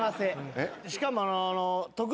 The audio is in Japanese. しかも。